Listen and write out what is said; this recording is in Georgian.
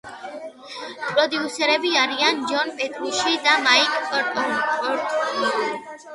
პროდიუსერები არიან ჯონ პეტრუჩი და მაიკ პორტნოი.